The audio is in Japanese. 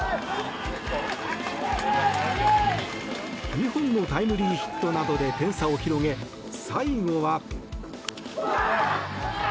２本のタイムリーヒットなどで点差を広げ、最後は。